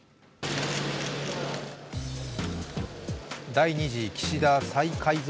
第２次岸田再改造